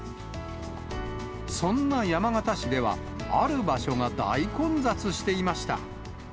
そんな山形市では、ある場所が大混雑していました。